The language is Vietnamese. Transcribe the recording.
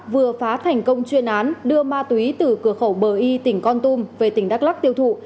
vừa phá thành công chuyên án đưa ma túy từ cửa khẩu bờ y tỉnh con tum về tỉnh đắk lắc tiêu thụ